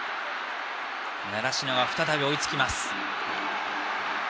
習志野が再び追いつきます。